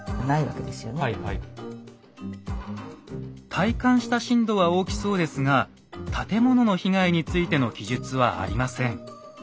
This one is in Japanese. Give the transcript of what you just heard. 体感した震度は大きそうですが建物の被害についての記述はありません。